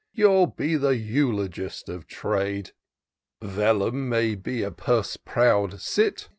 You'll be the eulogist of trade. " Vellum may be a purse proud cit.